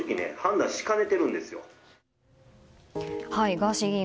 ガーシー議員